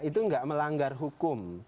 itu enggak melanggar hukum